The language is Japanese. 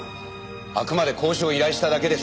あくまで交渉を依頼しただけですから。